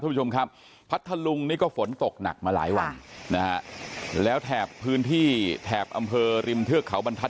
ผู้ชมครับพัทธลุงนี่ก็ฝนตกหนักมาหลายวันนะฮะแล้วแถบพื้นที่แถบอำเภอริมเทือกเขาบรรทัศ